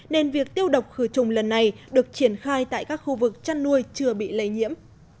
nên việc tiêu độc khử trùng lần này được triển khai tại các khu vực chăn nuôi chưa bị lây nhiễm